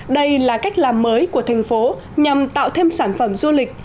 đây là cách làm mới của thành phố nhằm tạo thêm sản phẩm du lịch